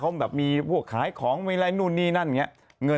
เขาแบบมีพวกขายของมีอะไรนู่นนี่นั่นอย่างนี้